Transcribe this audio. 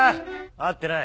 合ってない。